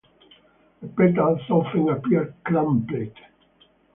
The petals often appear crumpled.